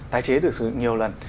tái chế được sử dụng nhiều lần